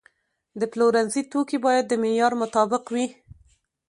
د پلورنځي توکي باید د معیار مطابق وي.